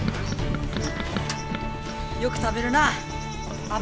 よく食べるなあ。